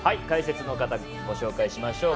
解説の方をご紹介します。